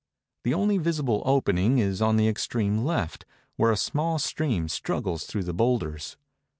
The only visible opening is on the extreme left, where a small stream struggles through the boulders.